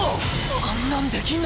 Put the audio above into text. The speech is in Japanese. あんなんできんの！？